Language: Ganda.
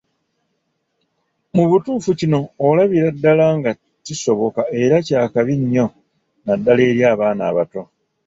Mu butuufu kino olabira ddala nga kisoboka era kya kabi nnyo naddala eri abaana abato.